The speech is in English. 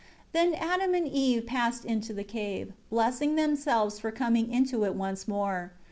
3 Then Adam and Eve passed into the cave, blessing themselves for coming into it once more.